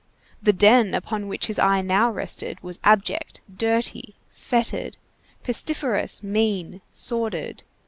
The den upon which his eye now rested was abject, dirty, fetid, pestiferous, mean, sordid.